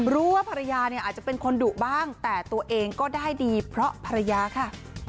รู้ว่าภรรยาเนี่ยอาจจะเป็นคนดุบ้างแต่ตัวเองก็ได้ดีเพราะภรรยาค่ะ